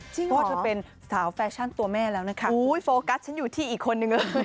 เพราะว่าเธอเป็นสาวแฟชั่นตัวแม่แล้วนะคะโฟกัสฉันอยู่ที่อีกคนนึงเลย